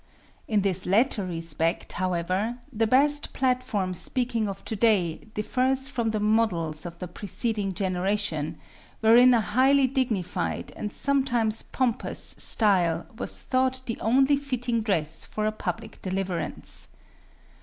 In this latter respect, however, the best platform speaking of today differs from the models of the preceding generation, wherein a highly dignified, and sometimes pompous, style was thought the only fitting dress for a public deliverance.